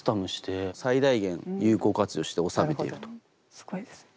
すごいですね。